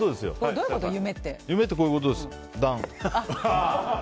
夢ってこういうことです。